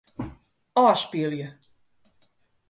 Ofspylje.